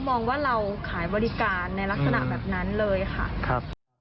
มองว่าเราขายบริการในลักษณะแบบนั้นเลยค่ะครับ